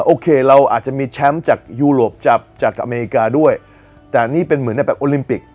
โอเคเราอาจจะมีแชมป์จากยูโรปจากจากอเมริกาด้วยแต่นี่เป็นเหมือนในแบบโอลิมปิก